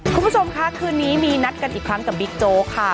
คุณผู้ชมค่ะคืนนี้มีนัดกันอีกครั้งกับบิ๊กโจ๊กค่ะ